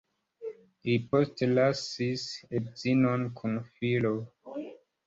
Li postlasis edzinon kun filo.